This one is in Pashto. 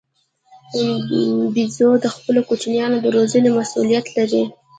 بیزو د خپلو کوچنیانو د روزنې مسوولیت لري.